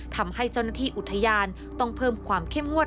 ทำให้เจ้าหน้าที่อุทยานต้องเพิ่มความเข้มงวด